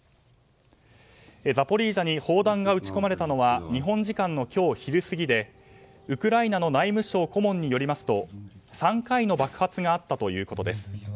ザポリージャに砲弾が撃ち込まれたのは日本時間の今日昼過ぎでウクライナの内務省顧問によりますと３回の爆発があったということです。